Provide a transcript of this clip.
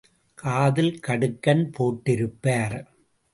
காதில் கடுக்கன் போட்டிருப்பார்.